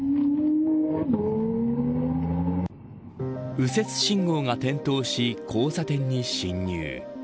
右折信号が点灯し交差点に進入。